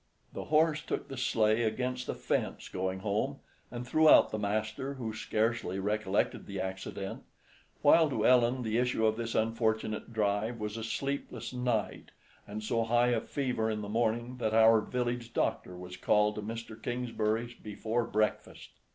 The horse took the sleigh against the fence, going home, and threw out the master, who scarcely recollected the accident; while to Ellen the issue of this unfortunate drive was a sleepless night and so high a fever in the morning that our village doctor was called to Mr. Kingsbury's before breakfast.